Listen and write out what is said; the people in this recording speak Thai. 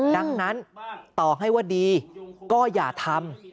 ดังนั้นต่อให้ว่าดีก็อย่าทำ